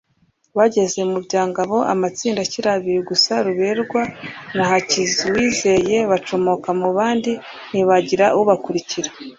Bageze mu Byangabo amatsinda akiri abiri gusa Ruberwa na Hakiruwizeye bacomoka mu bandi ntihagira ubakurikira